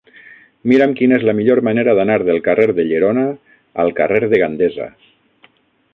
Mira'm quina és la millor manera d'anar del carrer de Llerona al carrer de Gandesa.